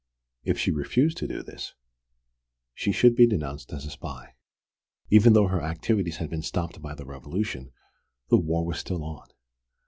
If she refused to do this, she should be denounced as a spy. Even though her activities had been stopped by the revolution, the war was still on!